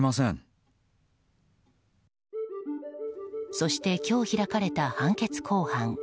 そして今日開かれた判決公判。